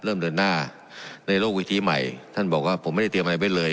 เริ่มเดินหน้าในโลกวิธีใหม่ท่านบอกว่าผมไม่ได้เตรียมอะไรไว้เลย